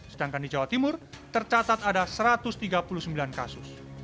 sedangkan di jawa timur tercatat ada satu ratus tiga puluh sembilan kasus